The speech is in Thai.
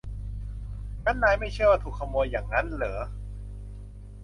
งั้นนายไม่เชื่อว่าถูกขโมยหยั่งงั้นหรอ